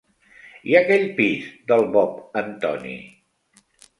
I aquell pis del Bob Antoni?